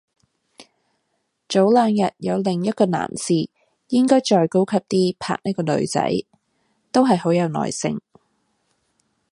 早兩日有另一個男士應該再高級啲拍呢個女仔，都係好有耐性